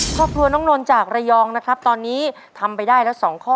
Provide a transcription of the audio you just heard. ครอบครัวน้องนนจากระยองนะครับตอนนี้ทำไปได้แล้ว๒ข้อ